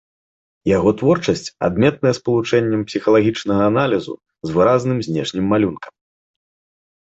Яго творчасць адметная спалучэннем псіхалагічнага аналізу з выразным знешнім малюнкам.